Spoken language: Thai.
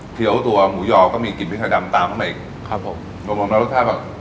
ี้ยวตัวหมูยอก็มีกลิ่นพริกไทยดำตามเข้ามาอีกครับผมรวมรวมแล้วรสชาติแบบ